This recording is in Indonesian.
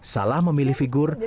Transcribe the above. salah memilih figur